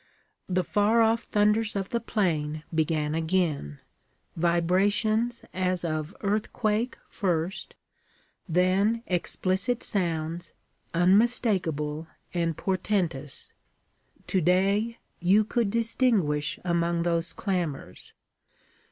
The far off thunders of the plain began again: vibrations as of earthquake first, then explicit sounds, unmistakable and portentous. To day, you could distinguish among those clamors.